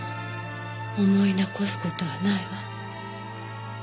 思い残す事はないわ。